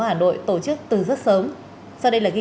và cho cô lạc hả